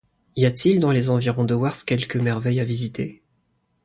Y a-t-il dans les environs de Werst quelque merveille à visiter?